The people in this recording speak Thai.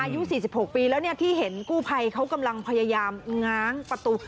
อายุ๔๖ปีแล้วที่เห็นกู้ภัยเขากำลังพยายามง้างประตู